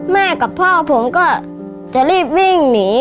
แม่กับพ่อผมก็จะรีบวิ่งหนี